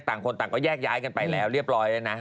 ต่างคนต่างก็แยกย้ายกันไปแล้วเรียบร้อยแล้วนะ